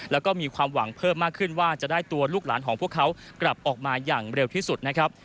แล้วก็มีความหวังเพิ่มมากขึ้นว่าจะได้ตัวลูกหลานของพวกเขากลับออกมาอย่างเร็วที่สุดนะครับ